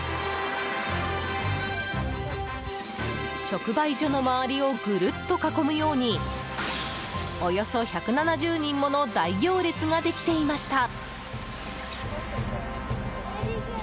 直売所の周りをぐるっと囲むようにおよそ１７０人もの大行列ができていました。